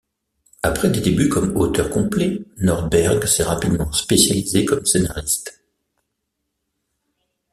Après des débuts comme auteur complet, Nordberg s'est rapidement spécialisé comme scénariste.